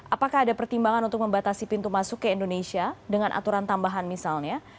apakah ada pertimbangan untuk membatasi pintu masuk ke indonesia dengan aturan tambahan misalnya